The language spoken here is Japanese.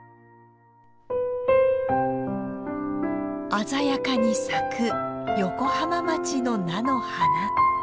鮮やかに咲く横浜町の菜の花。